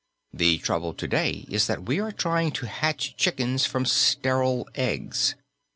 The trouble, to day, is that we are trying to hatch chickens from sterile eggs.